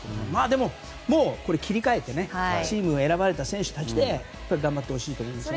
でも、切り替えてチームに選ばれた選手たちで頑張ってほしいと思います。